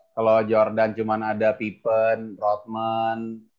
kalau jordan cuma ada pippen rothman